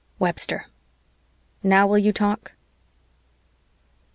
Webster "NOW WILL YOU TALK?"